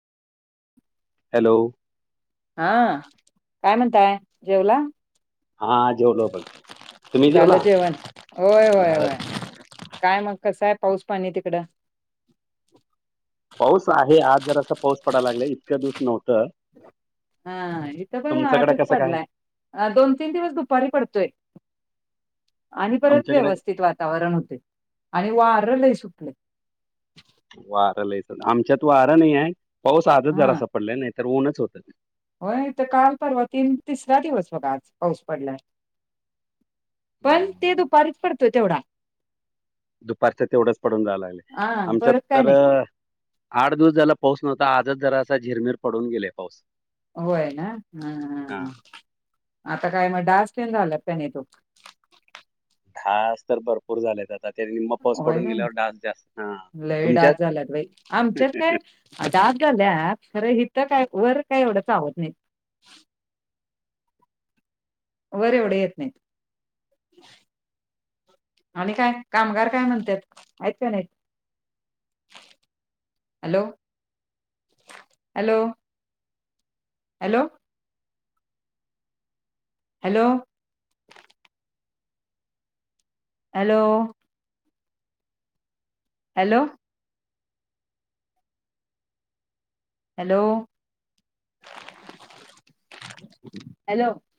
Hello! हा काय म्हणताय जेवला? हा जेवलो बघ तुम्ही जेवला झालं जवण होय होय झालं होय काय मग कसं आहे पाऊस पाणी तिकडं? पाऊस आहे आज जर असं पाऊस पडायला लागला इतक दिवस नव्हतं हा इथ पण तुमच्याकडे आजच कसं काय पडलाय ह दोन तीन दिवस दुपारी पडतोय आणि परत आमच्याकडे व्यवस्थित वातावरण वातावरण होते आणि वार ल सुटले वारं लच आमच्यात वारं नाही आहे पाऊस आजच जरा हा असं पडला नाही तर ऊनच होत. होय तर काल परर्वतीन तिसरा दिवस बघा आज पाऊस पडलाय पण ते हम्म. दुपारीच पडतोय तेवढा दुपारचं तेवढंच पडून जायला लागले हा आमच्यात परत काय तर नाही आठ दिवस झाला पाऊस नव्हता आजच जरा असा झिरमिर पडून गेले पाऊस होय ना हा ह आता काय मग डास येन झालात प नाही तू डास तर भरपूर झालेत आ पाऊस होय का पडून नाही गेल्यावर डास जास्त हा लय तुमच्यात डाग झाल्या खरं हिथं काय वर काय एवढंच आवत नाही. वर एवढं येत नाही. आणि काय कामगार काय म्हणतात आहेत काय नाहीत hello hello. Hello hello hello hello hello hello